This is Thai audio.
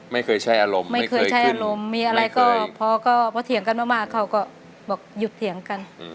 ไม่เคยใช้อารมณ์ไม่เคยใช้อารมณ์มีอะไรก็พอก็พอเถียงกันมากเขาก็บอกหยุดเถียงกัน